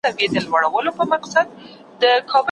په مرکزونو کې ډاکټران او نرسونه کار کوي.